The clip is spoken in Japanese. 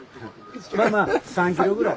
まあまあ３ｋｍぐらい。